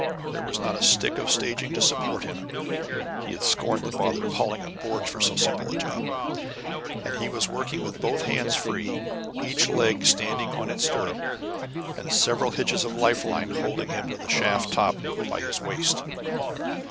There was not a stick of staging to support him (he had scorned the bother of hauling up boards for so simple a job), and he was working with both hands free, each leg standing on its stirrup, and several hitches of life line holding him to the shaft top by his waist.